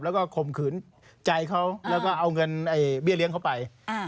แล้วก็ข่มขืนใจเขาแล้วก็เอาเงินเบี้ยเลี้ยงเขาไป